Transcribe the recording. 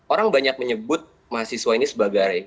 orang banyak menyebut mahasiswa ini sebagai